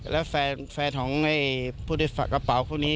แล้วแฟนของผู้โดยสารกระเป๋าคู่นี้